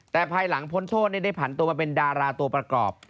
แต่ภายหลังพ้นโทษได้ผันตัวมาเป็นดาราตัวประกอบ